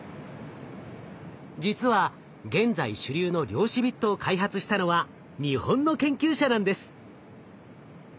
実は現在主流の量子ビットを開発したのは日本の研究者なんです。